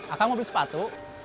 ah kamu beli sepatu